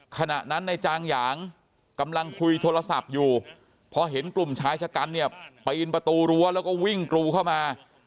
ขณะนั้นในจางหยางกำลังคุยโทรศัพท์อยู่พอเห็นกลุ่มชายชะกันเนี่ยปีนประตูรั้วแล้วก็วิ่งกรูเข้ามา